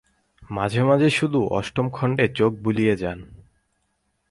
মাঝে-মাঝে শুধু অষ্টম খণ্ডে চোখ বুলিয়ে যান।